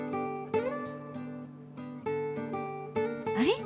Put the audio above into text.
あれ？